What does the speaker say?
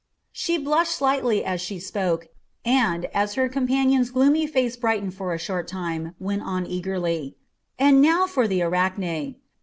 She blushed slightly as she spoke, and, as her companion's gloomy face brightened for a short time, went on eagerly: "And now for the Arachne.